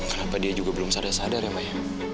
kenapa dia juga belum sadar sadar ya mai